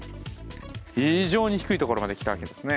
非常に低いところまできたわけですね。